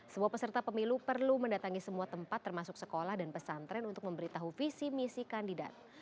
semua peserta pemilu perlu mendatangi semua tempat termasuk sekolah dan pesantren untuk memberitahu visi misi kandidat